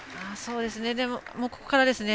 でも、ここからですね。